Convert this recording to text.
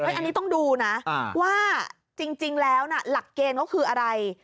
อันนี้ต้องดูนะว่าจริงแล้วหลักเกณฑ์เขาคืออะไร